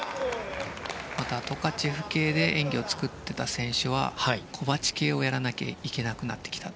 またトカチェフ系で演技を作っていた選手はコバチ系をやらなきゃいけなくなってきた。